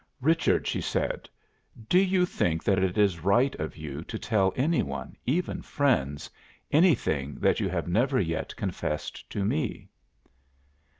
"Richard," she said, "do you think that it is right of you to tell any one, even friends, anything that you have never yet confessed to me?"